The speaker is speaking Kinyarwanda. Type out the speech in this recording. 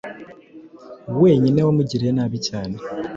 wenyine wamugiriye nabi cyane